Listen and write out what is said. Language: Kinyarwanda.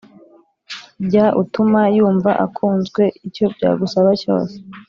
jya utuma yumva akunzwe, icyo byagusaba cyose